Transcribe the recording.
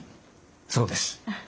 そうです。